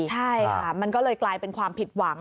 ใช่ค่ะมันก็เลยกลายเป็นความผิดหวัง